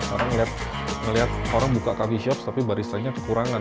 karena ngelihat orang buka coffee shop tapi baristanya kekurangan